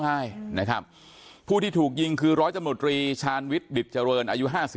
ง่ายนะครับผู้ที่ถูกยิงคือร้อยตำรวจรีชาญวิทย์ดิตเจริญอายุ๕๓